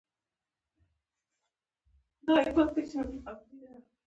ځینې خلک د صحي ستونزو له امله له خوږو ډډه کوي.